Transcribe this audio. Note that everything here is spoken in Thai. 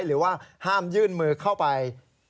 หรือว่าห้ามยื่นมือเข้าไป